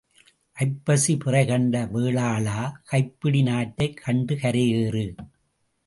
ஐப்பசிப் பிறை கண்ட வேளாளா, கைப்பிடி நாற்றைக் கண்டு கரையேறு.